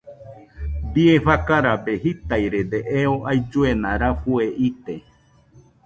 Bie fakarabe jitairede eo ailluena rafue ite.